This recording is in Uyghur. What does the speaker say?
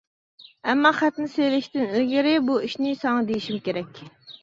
ئەمما خەتنى سېلىشتىن ئىلگىرى بۇ ئىشنى ساڭا دېيىشىم كېرەك.